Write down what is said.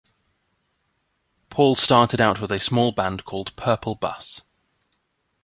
Paul started out with a small band called "Purple Bus".